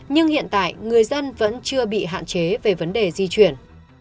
nhưng hiện tại người dân vẫn chưa bị hạn chế về vấn đề di chuyển